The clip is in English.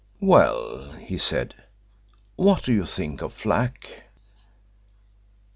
"Well," he said, "what do you think of Flack?"